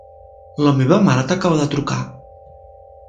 La meva mare t'acaba de trucar?